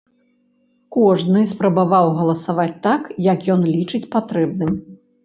Кожны спрабаваў галасаваць так, як ён лічыць патрэбным.